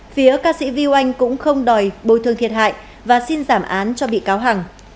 phía ca sĩ viu anh cũng không đòi bồi thương thiệt hại và xin giảm án cho bị cáo hằng